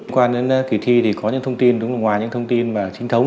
quan đến kỳ thi thì có những thông tin ngoài những thông tin chính thống